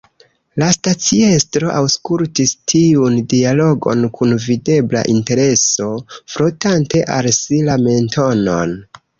La staciestro aŭskultis tiun dialogon kun videbla intereso, frotante al si la mentonon.